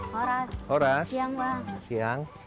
horas horas yang banget siang